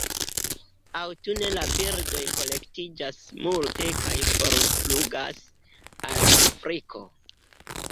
Aŭtune la birdoj kolektiĝas multe kaj forflugas al Afriko.